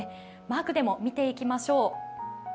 マークでも見ていきましょう。